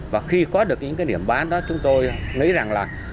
và khi có được những cái điểm bán đó chúng tôi nghĩ rằng là